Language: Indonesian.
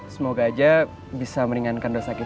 semoga aja bisa meringankan dosa kita